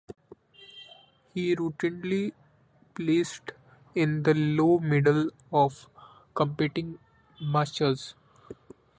He routinely placed in the low middle of competing mushers.